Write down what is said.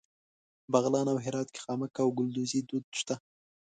بغلان او هرات کې خامک او ګلدوزي دود شته.